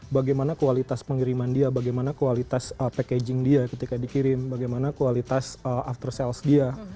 bagaimana kualitas pengiriman dia bagaimana kualitas packaging dia ketika dikirim bagaimana kualitas after sales dia